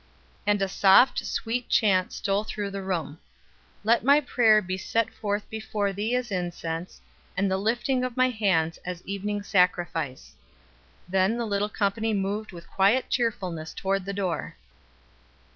And a soft, sweet chant stole through the room: "Let my prayer be set forth before thee as incense; and the lifting of my hands as evening sacrifice." Then the little company moved with a quiet cheerfulness toward the door.